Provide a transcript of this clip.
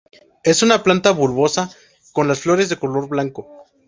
Es una planta bulbosa con las flores de color blanco.